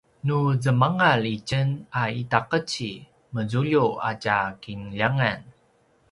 nu zemangal itjen a itaqeci mezulju a tja kinljangan